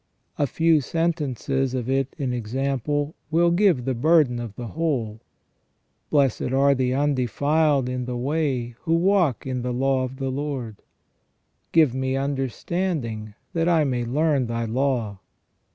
A few sentences of it, in example, will give the burden of the whole :" Blessed are the undefiled in the way, who walk in the law of the Lord". "Give me understanding, that I may learn Thy law."